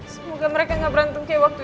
semoga mereka gak berantung kayak waktu itu